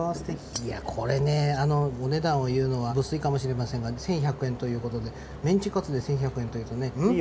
いやこれねお値段を言うのは不粋かもしれませんが１，２００円ということでメンチカツで１，２００円というとねん？